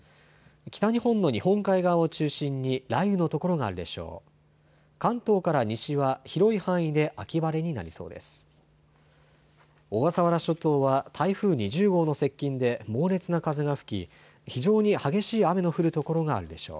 北日本の日本海側を中心に雷雨の所があるでしょう。